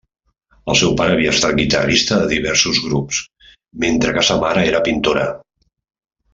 El seu pare havia estat guitarrista de diversos grups mentre que sa mare era pintora.